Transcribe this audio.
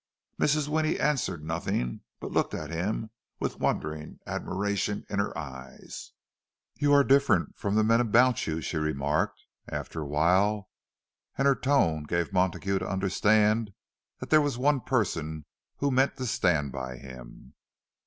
Mrs. Winnie answered nothing, but looked at him with wondering admiration in her eyes. "You arc different from the men about you," she remarked, after a while—and her tone gave Montague to understand that there was one person who meant to stand by him.